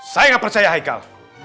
saya gak percaya haikal